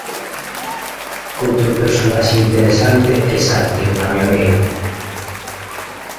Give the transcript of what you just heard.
Outro personaxe interesante é Santi, o camioneiro.